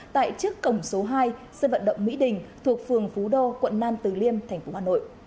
tại trước cổng số hai sơn vận động mỹ đình thuộc phường phú đô quận nan từ liêm tp hà nội